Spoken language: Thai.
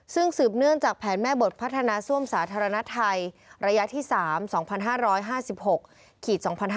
ซึ่งสืบเนื่องจากแผนแม่บทพัฒนาซ่วมสาธารณภัยระยะที่๓๒๕๕๖๒๕๕๙